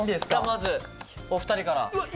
まずお二人から。